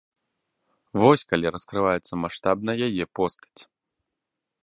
Вось калі раскрываецца маштабна яе постаць.